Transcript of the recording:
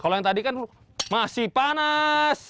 kalau yang tadi kan masih panas